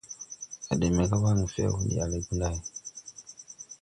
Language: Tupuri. A de me ga wangfew, ndi ale Gunday.